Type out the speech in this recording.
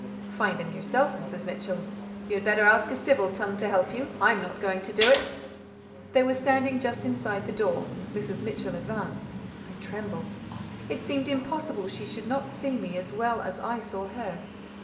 "Find them yourself, Mrs. Mitchell. You had better ask a civil tongue to help you. I'm not going to do it." They were standing just inside the door. Mrs. Mitchell advanced. I trembled. It seemed impossible she should not see me as well as I saw her.